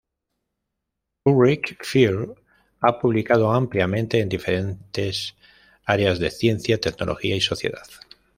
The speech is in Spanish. Ulrike Felt ha publicado ampliamente en diferentes áreas de Ciencia, Tecnología y Sociedad.